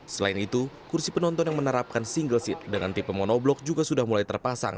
selain itu kursi penonton yang menerapkan single seat dengan tipe monoblock juga sudah mulai terpasang